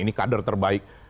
ini kader terbaik